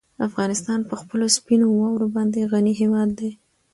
افغانستان په خپلو سپینو واورو باندې غني هېواد دی.